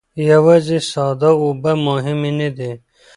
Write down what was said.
یوازې ساده اوبه مهمې نه دي.